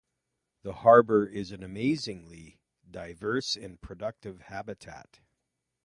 The harbor is an amazingly diverse and productive habitat.